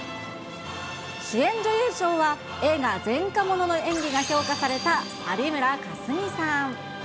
主演女優賞は映画、前科者の演技が評価された有村架純さん。